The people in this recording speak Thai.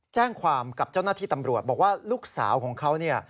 แจ้งความกับเจ้าหน้าที่ตำรวจบอกว่าลูกสาวของเขาเนี่ย